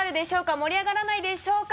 盛り上がらないでしょうか？